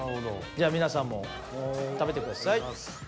じゃ皆さんも食べてください。